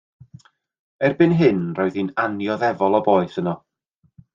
Erbyn hyn roedd hi'n annioddefol o boeth yno.